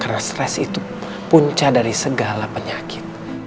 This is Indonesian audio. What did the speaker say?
karena stress itu punca dari segala penyakit